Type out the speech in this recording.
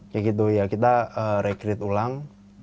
ya gitu ya kita rekrit ulang